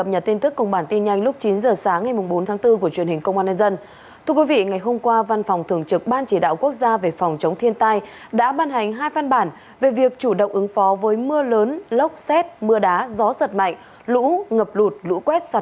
hãy đăng ký kênh để ủng hộ kênh của chúng mình nhé